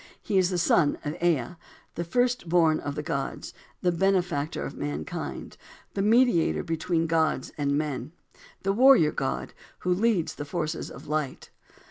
He is the son of Ea, "The first born of the gods," "The benefactor of mankind," "The mediator between gods and men," "The warrior god, who leads the forces of light."